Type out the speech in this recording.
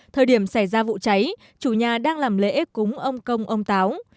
thời điểm xảy ra vụ cháy chủ nhà đang làm lễ cúng ông công ông táo